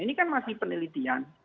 ini kan masih penelitian